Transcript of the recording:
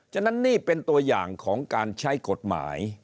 ฉะนั้นนี่เป็นตัวอย่างของการใช้กฎหมาย